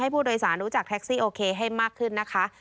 ผู้โดยสารรู้จักแท็กซี่โอเคให้มากขึ้นนะคะ